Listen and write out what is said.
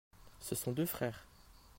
ce sont deux frères.